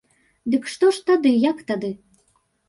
Дык што ж тады, як тады?